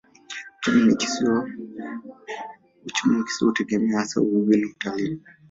Uchumi wa kisiwa hutegemea hasa uvuvi na utalii.